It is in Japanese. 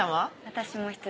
私も１人。